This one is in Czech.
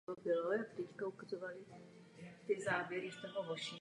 V obci je moderní římskokatolický kostel Božského srdce Ježíšova.